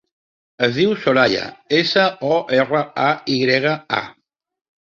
Es diu Soraya: essa, o, erra, a, i grega, a.